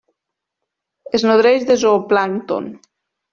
Es nodreix de zooplàncton.